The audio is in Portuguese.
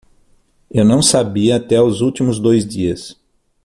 Eu não sabia até os últimos dois dias.